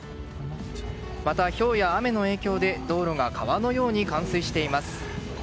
また、ひょうや雨の影響で道路が川のように冠水しています。